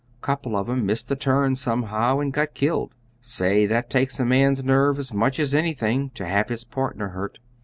"Couple of 'em missed the turn somehow and got killed. Say, that takes a man's nerve as much as anything, to have his partner hurt.